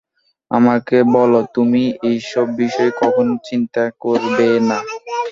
আমাকে বল তুমি এসব বিষয়ে কখনও চিন্তা করবেনা।